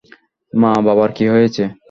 মা-বাবার কি হয়েছে?